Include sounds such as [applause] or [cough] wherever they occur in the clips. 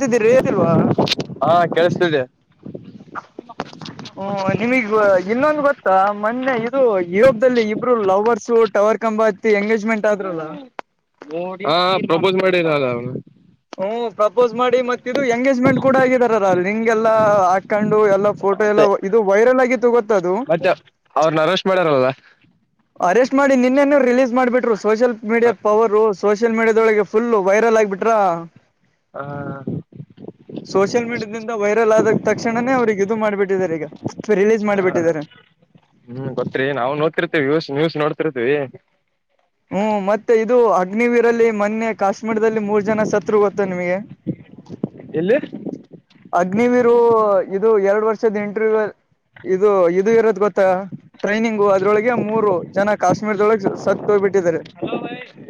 ದ್ದೀರ ಎನಿಲ್ವಾ. ಹಾ ಕೇಳಿಸ್ತಿದೆ ಹ್ಮ ನಿಮಗ್ ಇನ್ನೊಂದು ಗೊತ್ತಾ ಮೊನ್ನೆ ಇದು ಯರೋಪ್ದಲ್ಲಿ ಇಬ್ರು ಲವರ್ಸ್. ಟವರ್ ಕಂಬಾ ಹತ್ತಿ ಎಂಗೇಜ್ಮೆಂಟ್ ಆದ್ರಲ್ಲ. ಹಾ ಪ್ರಪೋಸ್ ಮಾಡಿದಲ್ಲ ಅವನು. ಹ್ಮ ಪ್ರಪೋಸ್ ಮಾಡಿ ಮತ್ತ ಇದು ಎಂಗೇಜ್ಮೆಂಟ್ ಕೂಡ ಆಗಿದಾರ ರಿಂಗ್ಗೆಲ್ಲಾ ಹಾಕೊಂಡು ಎಲ್ಲ. ಫೋಟೋ ಎಲ್ಲ ಮತ್ತೆ ಇದು ವೈರಲ್ ಆಗಿತ್ತು ಗೊತ್ತಾದು. ಮತ್ತೆ ಅವ್ರನ ಅರೆಸ್ಟ್ ಮಾಡ್ಯಾರಲ್ಲ. ಅರೆಸ್ಟ್ ಮಾಡಿ ನಿನ್ನೆನೆ ರಿಲೀಸ್ ಮಾಡ್ಬಿಟ್ರು social media power social ಮೀಡಿಯಾದೊಳಗೆ ಫುಲ್ ವೈರಲ್ ಆಗ್ಬಿಟ್ರಾ. ಹಾ. [inaudible] ಸೋಷಿಯಲ್ ಮೀಡಿಯಾದಿಂದ ವೈರಲ್ ಆದ ತಕ್ಷಣನೇ ಅವ್ರಿಗೆ ಇದು ಮಾಡ್ಬಿಟ್ಟಿದ್ದಾರೆ ಈಗ ರಿಲೀಸ್ ಮಾಡಿಬಿಟ್ಟಿದ್ದಾರೆ. ಹ್ಮ್ ಗೊತ್ರಿ ನಾವು ನೋಡ್ತಿರ್ತಿವಿ ಯೂಸ್ ನ್ಯೂಸ್ ನೋಡ್ತಿರ್ತೀವಿ. ಹ್ಮ್ ಮತ್ತೆ ಇದು ಅಗ್ನಿವೀರಲ್ಲಿ ಮನ್ನೆ ಕಾಶ್ಮೀರದಲ್ಲಿ ಮೂರ್ ಜನ ಸತ್ರು ಗೊತ್ತ ನಿಮಗೆ. [inaudible] ಎಲ್ಲಿ. ಅಗ್ನಿವೀರು ಇದು ಎರಡ್ ವರ್ಷದ ಇಂಟರ್ವ್ಯೂ ಅಲ್ಲಿ. ಇದು ಇದು ಇರೋದ್ ಗೊತ್ತಾ ಟ್ರೈನಿಂಗ್ ಅದ್ರೊಳಗೆ ಮೂರು ಜನ ಕಾಶ್ಮೀರದೊಳಗೆ ಸತ್. ತೋಬಿಟ್ಟಿದಿದ್ದಾರೆ.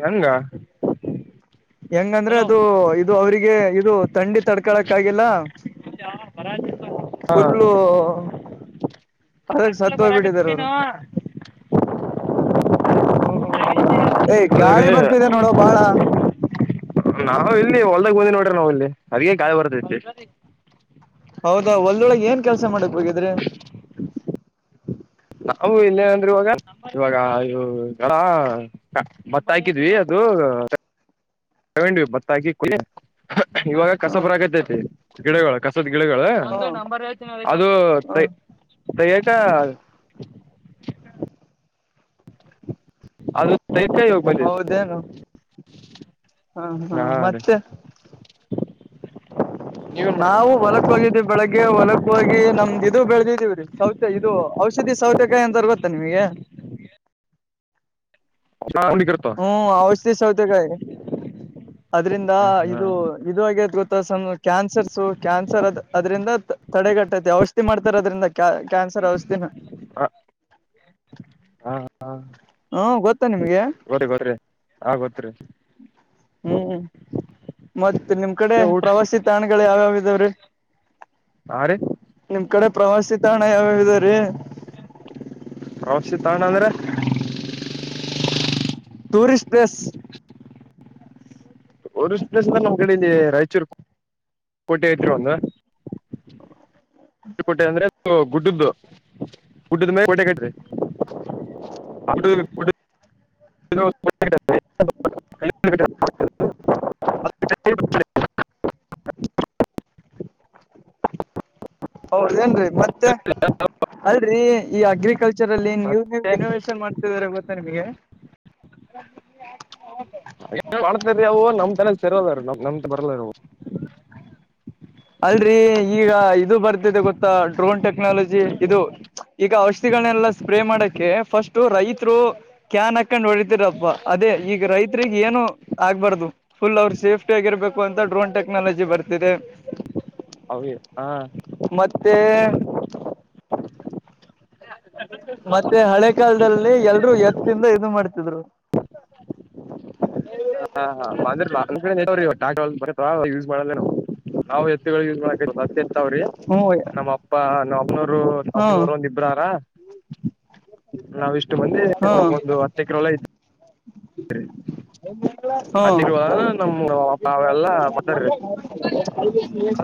ಹೆಂಗ. ಹೆಂಗಂದ್ರೆ ಅದು ಇದು. ಇದು ಅವರಿಗೆ ಇದು ತಂಡಿ ತಡ್ಕಳಕ್ ಆಗಿಲ್ಲ. ಹಾ ಫುಲ್ಲು ಅದಕ್ ಸತ್ ಹೋಗ್ಬಿಟ್ಟಿದಿದ್ದಾರೆ ಅವರು. ಹ್ಮ್ ಎಯ್ ಅದ್ರೀ ಗಾಳಿ ಬರ್ತಿದೆ ನೋಡೋ ಬಾಳಾ. ನಾವು ಇಲ್ಲಿ ಹೊಲದಾಗ್ ಬಂದಿವಿ ನೋಡ್ರಿ ನಾವ್ ಇಲ್ಲಿ ಅದಕೆ ಗಾಳಿ ಬರ್ತೈತಿ. ಹೌದಾ ಹೊಲದೊಳಗೆ ಏನ್ ಕೆಲ್ಸ ಮಾಡಕ್ ಹೋಗಿದ್ರಿ. ನಾವು ಇಲ್ಲೇ ಅಂದ್ರೆ ಇವಾಗ. ಇವಾಗ ಇವ್ ಬತ್ತಾ ಹಾಕಿದ್ವಿ ಅದು. ತಗೊಂಡ್ವಿ ಬತ್ತಾ ಹಾಕಿ ಕುಯ್. ಇವಾಗ ಕಸಾ ಹ್ಮ ಬರಾಕತತಿ ಗಿಡಗಳ ಕಸದ ಗಿಡಗಳ. ಹ್ಮ ಅದು ತ ಹ್ಮ ತಯೇಟ. ಅದು. ಬಂದಿದೆ ಹೌದೇನು ಹಾ ಹಾ ಮತ್ತೆ. ನೀವೇನ್ ಮಾಡ್ತೀರ ನಾವು ಹೊಲಕ್. ಹೋಗಿದವಿ ಬೆಳಗ್ಗೆ ಹೊಲಕ್ ಹೋಗಿ ನಮ್ದ್ ಇದು ಬೆಳದಿದೀವ್ರೀ ಸೌತೆ ಇದು ಔಷಧಿ ಸೌತೆಕಾಯಿ ಅಂತಾರ್ ಗೊತ್. ತನ್ವಿಯ. ಹಾ. ಹ್ಮ್ ಔಷಧಿ ಸೌತೆಕಾಯಿ ಅದ್ರಿಂದ ಹಾ ಇದು ಇದು ಆ ಗೊತ್ತ ಸ್ ಕ್ಯಾನ್ಸರ್ಸು ಕ್ಯಾನ್ಸರ್ ಅದ್ ಅದ್ರಿಂದ ತಡೆಗಟ್ಟೈತಿ ಔಷಧಿ ಮಾಡ್ತಾರ ಅದ್ರಿಂದ ಕ್ಯಾ ಕ್ಯಾನ್ಸರ್ ಔಷಿದಿನೆ ಹಾ ಹಾ ಹ್ಮ ಗೊತ್ತಾ ನಿಮ್ಗೆ ಬರ್ರಿ ಬರ್ರಿ ಆಗೋತ್ರಿ ಹ್ಮ್ ಮತ್ತ ನಿಮ್ ಕಡೆ ಊಟ ಪ್ರವಾಸಿ ತಾಣಗಳು ಯಾವ್ಯಾವ ಇದಾವ್ರೀ. ಹಾ ರೀ ನಿಮ್ ಕಡೆ ಪ್ರವಾಸಿ ತಾಣ ಯಾವ್ಯಾವ್ದರೀ. ಪ್ರವಾಸಿತಣ್ಣ ಅಂದ್ರೆ ಟೂರಿಸ್ಟ್ ಪ್ಲೇಸ್ ಟ್ಯೂರಿಸ್ಟ್ ಪ್ಲೇಸ್ ಅಂದ್ರಿ ನಮ್ ಕಡೆ ರಾಯಚೂರು ಕೋಟೆ ಐತ್ರಿ ಒಂದು. [unintelligible] ಟೆ ಅಂದ್ರೆ ಗುಡ್ಡದ್ದು ಗುಡ್ಡದ ಮೇಲೆ ಕೋಟೆ ಕಟ್ರಿ [unintelligible] [unintelligible] [unintelligible] ಹೌದ ಏನ್ರೀ ಮತ್ತೆ ಅಲ್ರರಿ ಈ ಅಗ್ರಿಕಲ್ಚರ್ ಅಲ್ಲಿ ನೀನ್ವ್ ನೀನ್ವ ಇನೋವೇಶನ್ ಮಾಡ [unintelligible] ರೆ ಗೊತ್ತಾ ನಿಮಗೆ [unintelligible] ಮಾಡತರಿವು ನಮ್ ತನಸೆರಲ್ರಿ ನ ನಮ್ ಬರಲ್ಲರಿವು ಅಲ್ರರಿ ಈಗ ಇದು ಬರ್ತಿದೆ ಗೊತ್ತಾ ಡ್ರೋನ್ ಟೆಕ್ನಾಲಜಿ ಇದು ಈಗ ಔಷಧಿಗಳನ್ನೆಲ್ಲ ಸ್ಪ್ರೇ ಮಾಡಕೆ ಫಸ್ಟ್ ರೈತರು ಕ್ಯಾನ್ ಹಾಕೊಂಡ್ ಹೊ ಪ್ಪ ಅದೇ ಈಗ ರೈತರಿಗೆ ಏನು ಆಗ್ಬಾರ್ದು ಫುಲ್ ಅವ್ರ ಸೇಫ್ಟಿ ಆಗಿರ್ಬೇಕು ಅಂತ ಡ್ರೋನ್ ಟೆಕ್ನಾಲಜಿ ಬರ್ತಿದೆ. [unintelligible] ಹಾ ಮತ್ತೆ [unintelligible] ಮತ್ತೆ ಹಳೆ ಕಾಲದಲ್ಲಿ ಎಲ್ರು ಎತ್ತಿಂದ ಇದು ಮಾಡ್ತಿದ್ರು. ಹ [unintelligible] ಯಸ್ ಮಾಡಲರಿವು ನಾವು ಎತ್ತುಗಳ ಯೂಸ್ ಮಾಡಕತ್ವಿ ಹತ್ ಹೆತ್ತಾವ್ರಿ. ಹ್ಮ [unintelligible] ಅಪ್ಪಾ ನಮ್ಮನೂರು ಹ್ಮ್ ತಮ್ಮನೂರು ಒಂದ ಇಬ್ರಾರ. ನಾವಿಷ್ಟು ಮಂದಿ ನಂಗೊಂದು ಹ್ಮ್ ಒಂದು ಹತ್ತ ಎಕರೆಹೊಲ್ಲ ಇತಿ [unintelligible] ಹಾತೆಕ್ರಿ ಹ್ಮ್ ಹೊಲನ ನಮ್ ನಮ್ಮೆಲ್ಲಾ ಮತಾರೀ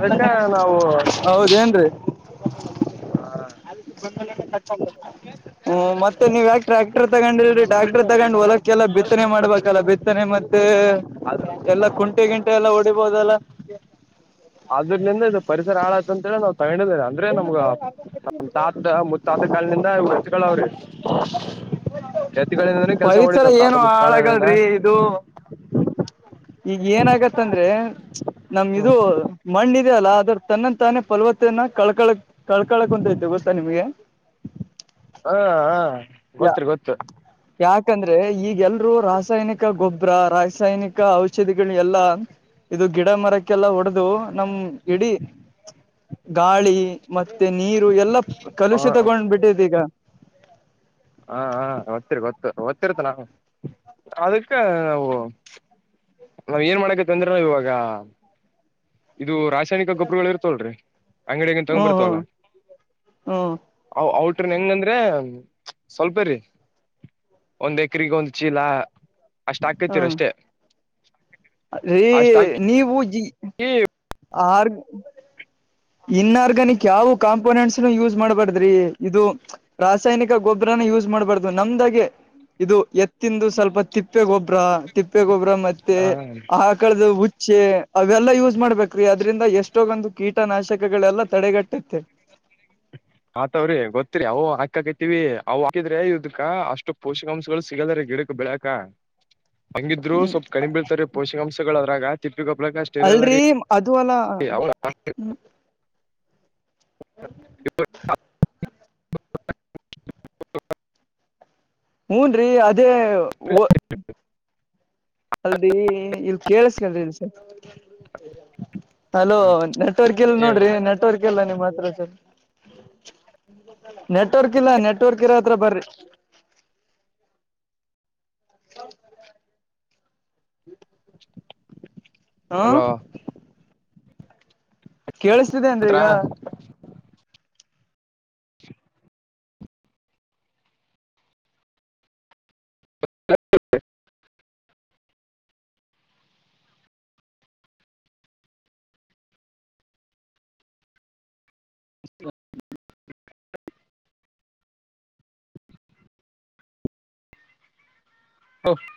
[unintelligible] ನಾವು ಹೌದೇನ್ರೀ ಹ [unintelligible] ಹ್ಮ್ ಮತ್ತೆ ನೀ ಯಾಕಕ್ಟ್ರ್ಯಾಕ್ಟರ್ ತಗೊಂಡಿಲ್ರಿ ಟ್ರಾಕ್ಟರ್ ತಗ್ ಹೊಲಕ್ಕೆಲ್ಲ ಬಿತ್ತನೆ ಮಾಡ್ಬೇಕಲ್ಲ ಬಿತ್ತನೆ ಮತ್ತೆ ಅದ ಮತ್ತೆ ಎಲ್ಲ ಕುಂಟೆ ಗಿಂಟೆ ಎಲ್ಲ ಹೊಡಿಬೋದಲ್ಲ. ಅ್ರಲಿಂದ ಇದು ಪರಿಸರ ಆಳತಂತ ಹೇಳ ನಾವು ತಗೊಂಡಿಲ್ಲಾರಿ. ಅಂದ್ರೆ ನಮ್ಗ ನಮ ತಾತ ಮುತ್ತಾತ ಕಾಲನಿಂದ ಇವಹೆತ್ತಗಳವ್ರಿ. ಪರಿಸರ ಏನು ಮುತ್ಕಾಳನಿಂದ ಹಾಳಾಗಲ್ರರಿ ಇದು. ಈಗ ಏನಾಗತ್ತಂದ್ರೆ ನಮ್ ಹ ಇದು ಮಣ್ಣಿದೆಯಲ್ಲ ಅದ್ರ ತನ್ನಂದ ತಾನೇ ಫಲ್ವತನ ಕಳ್ಕಳಕ್ ಕಳ್ಕಳಕ್ ಕೊತೈತಿ ಗೊತ್ತಾ ನಿಮ್ಗೆ. ಹಾ ಹಾ ಯಾ ಯಾಕಂದ್ರೆ ಈಗೆಲ್ರು ರಾಸಾಯನಿಕ ಗೊಬ್ಬರ ರಾಸಾಯನಿಕ ಔಷಧಿಗಳ ಎಲ್ಲಾ ಇದು ಗಿಡ ಮರಕ್ಕೆಲ್ಲ ಹೊಡೆದು ನಮ್ ಇಡೀ ಗಾಳಿ ಮತ್ತೆ ನೀರು ಎಲ್ಲಾ ಹ ಕಲುಷಿತಗೊಂಡ್ಬಿಟ್ಟಿದೆ ಈಗ. ಹಾ ಹ ಗೊತ್ತಿರ್ ಗತ್ತ ಗೊತ್ತಿರ್ತ ನಾವು ಅದಕ್ಕ ನಾವು ನಾವ್ ಏನ್ ಮಾಡಕತ್ತಿವ್ ಅಂದ್ರೆ ಇವಾಗ ಇದು ರಾಸ್ ಸೈನಿಕ ಗೊಬ್ಬರುಗಳು ಇರ್ತವಲ್ ಅಂಗಡಿಯಂತ ತಗೊ ಹ್ಮ್ ಹ್ಮ್ ಬರ್ತವಲ್ಲ ಹ್ಮ್ ಅ ಔಟ್ರ ಹೆಂಗಂದ್ರೆ ಸ್ವಲ್ಪ ರೀ ಒಂದ್ ಎಕ್ರಿಗೆ ಒಂದ್ ಚೀಲ ಅಷ್ಟ ಹಾಕೈತಿರ ಅಷ್ಟೇ ರೇ ನೀವು ಜಿ ಹ್ಮ ಆರ್ ಇನ್ ಆರ್ಗನಿಕ್ ಯಾವ ಕಾಂಪೋನೆಂಟ್ಸ್ನು ಯೂಸ್ ಮಾಡ್ಬಾರ್ದು ಇದು ರಾಸಾಯನಿಕ ಗೊಬ್ಬ್ರನ ಯೂಸ್ ಮಾಡ್ಬಾರ್ದು ನಮ್ದಾಗೆ ಇದು ಎತ್ತಿಂದು ಸ್ವಲ್ಪ ತಿಪ್ಪೆ ಗೊಬ್ಬರ ತಿಪ್ಪೆ ಗೊಬ್ಬರ ಮತ್ತೆ ಹ ಆ ಮಳ್ದ ಹುಚ್ಚಿ ಅವೆಲ್ಲಾ ಯೂಸ್ ಮಾಡ್ಬೇಕು ಅದ್ರಿಂದ ಎಷ್ಟೊಂದು ಕೀಟನಾಶಕಗಳೆಲ್ಲ ತಡೆಗಟ್ಟುತ್ತೆ ಹ ಆತವ್ರಿ ಗೊತ್ತತ್ರಿ ಅವು ಹಾಕಕತಿವಿ ಅವು ಹಾಕಿದ್ರೆ ಇದ್ದಕ್ಕೆ ಅಷ್ಟು ಪೋಷಕಾಂಶಗಳು ಸಿಗದ್ರ ಗಿಡ ಬೆಳಕಾ [inaudible] ಹೆಂಗಿದ್ರು ಹ್ಮ್ ಸ್ವಲ್ಪ ಕಡಿಮಿ ಬ ಬಿಳ್ತಾರೆ ಪೋಷಕಾಂಶಗಳು ಅದ್ರಾಗ ತಿಪ್ಪಿ ಗೊಬ್ರ ಪ್ರ ಅಲ್ರರಿ ಅದು ಅಲ್ಲಾ ಹ ಅವ ಹ ಹೂನ್ ರೀ ಅದ [unintelligible] ಅಲ್ದಿ ಇಲ್ ಕೇಳಿಸ್ಕೊಳ್ಳಿ ಸ್ವಲ್ಪ ಹಲೋ ನೆಟ್ವರ್ಕ್ ಇಲ್ಲ ನೋಡ್ರಿ ಹೇಳ್ರಿ ನೆಟ್ವರ್ಕ್ ಇಲ್ಲ ನಿಮ್ಮ್ ಹತ್ರ ನೆಟ್ವರ್ಕ್ ಇಲ್ಲ ನೆಟ್ವರ್ಕ್ ಇರ ಹತ್ರ ಬರ್ರಿ ಹ ಅಲೋ ಕೇಳಿಸ್ತಿದೆ ಅಂದ್ರೆ ಈಗ ಹತ್ರ ಓ [unintelligible]